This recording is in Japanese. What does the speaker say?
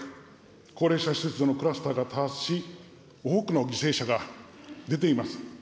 高齢者施設のクラスターが多発し、多くの犠牲者が出ています。